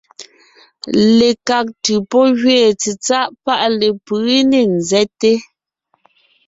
Lekág ntʉ̀ pɔ́ gẅeen tsetsáʼ paʼ lepʉ̌ ne nzɛ́te,